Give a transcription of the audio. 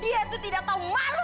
dia tuh tidak tahu malu